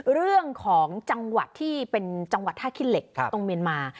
เรื่องของจังหวัดที่เป็นจังหวัดท่าขี้เหล็กตรงเมียนมา